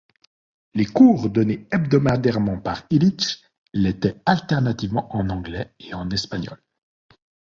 Les cours donnés hebdomadairement par Illich l'étaient alternativement en anglais et en espagnol.